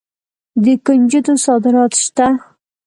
د کنجدو صادرات شته.